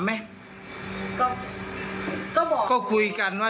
ไม่อะไรอย่างนี้